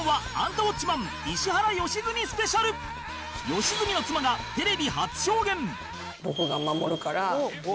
良純の妻がテレビ初証言